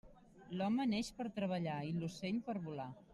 L'home neix per treballar i l'ocell per volar.